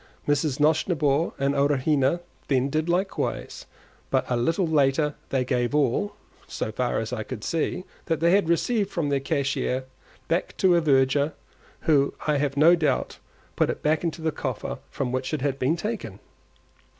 Mrs. Nosnibor and Arowhena then did likewise, but a little later they gave all (so far as I could see) that they had received from the cashier back to a verger, who I have no doubt put it back into the coffer from which it had been taken.